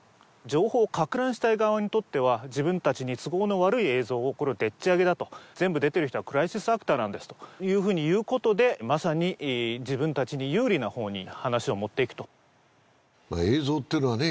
情報かく乱したい側にとっては自分たちに都合の悪い映像をこれをでっちあげだと全部出てる人はクライシスアクターなんですというふうに言うことでまさに自分たちに有利な方に話を持っていくと映像っていうのはね